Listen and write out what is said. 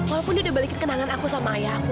aku udah balikin kenangan aku sama ayah aku